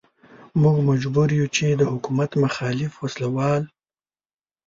موږ مجبور يو چې د حکومت مخالف وسله وال.